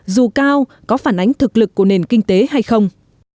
dù cao có phản ánh thực lực của nền kinh tế hay không